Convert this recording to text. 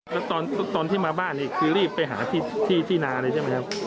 แล้วตอนที่มาบ้านนี่คือรีบไปหาที่นาเลยใช่ไหมครับ